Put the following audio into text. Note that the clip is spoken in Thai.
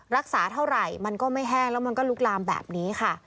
รักษาเท่าไหร่มันก็ไม่แห้งแล้วมันก็ลุกลามแบบนี้ค่ะ